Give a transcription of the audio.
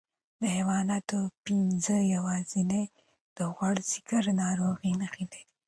د ځوانانو پنځه یوازینۍ د غوړ ځیګر ناروغۍ نښې لري.